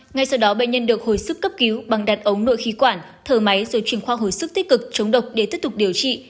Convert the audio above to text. ngay sau đó bệnh nhân được hồi sức cấp cứu bằng đặt ống nội khí quản thở máy rồi chuyển khoa hồi sức tích cực chống độc để tiếp tục điều trị